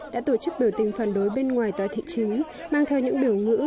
đã tổ chức biểu tình phản đối bên ngoài tòa thị chứng mang theo những biểu ngữ